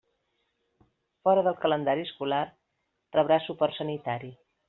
Fora del calendari escolar rebrà suport sanitari.